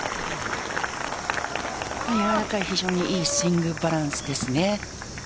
やわらかい、非常に良いスイングバランスですね。